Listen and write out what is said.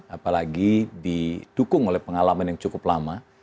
apalagi didukung oleh pengalaman yang cukup lama